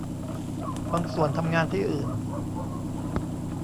บางส่วนทำงานที่อื่น